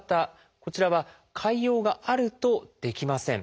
こちらは潰瘍があるとできません。